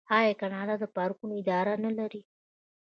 آیا کاناډا د پارکونو اداره نلري؟